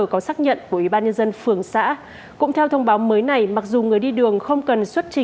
có xác nhận của ubnd tp hà nội